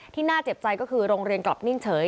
น่าเจ็บใจก็คือโรงเรียนกลับนิ่งเฉย